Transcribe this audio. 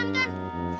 pasti pereman kan